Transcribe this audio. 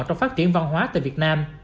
trong phát triển văn hóa tại việt nam